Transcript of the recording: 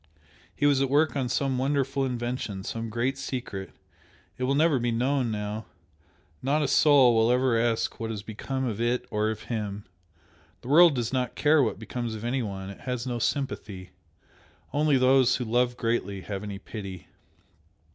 He was at work on some wonderful invention some great secret! it will never be known now not a soul will ever ask what has become of it or of him! The world does not care what becomes of anyone it has no sympathy. Only those who love greatly have any pity!"